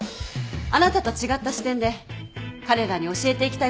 あなたと違った視点で彼らに教えていきたいことがあるんです。